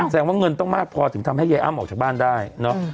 แสดงว่าเงินต้องมากพอถึงทำให้ยายอ้ำออกจากบ้านได้เนอะ